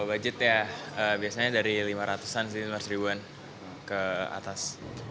kalau budget ya biasanya dari lima ratus an sampai sembilan ratus an ke atas